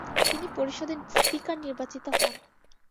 তিনি পরিষদের স্পিকার নির্বাচিত হন।